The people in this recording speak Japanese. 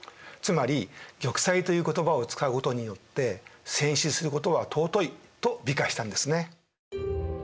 つまり「玉砕」という言葉を使うことによって戦死することは尊いと美化したんですね。